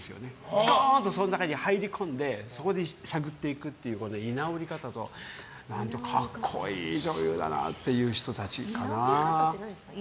ストーンとその中に入り込んでそこで探っていくっていう居直り方と格好いい女優だなっていう人たちですね。